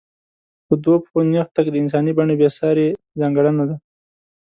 په دوو پښو نېغ تګ د انساني بڼې بېسارې ځانګړنه ده.